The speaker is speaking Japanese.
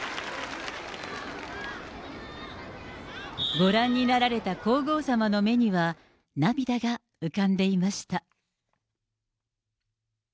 ご覧になられた皇后さまの目には涙が浮かんでいました。